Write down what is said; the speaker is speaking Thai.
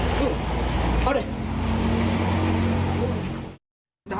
อย่ามาใกล้กู